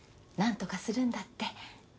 なんとかするんだって。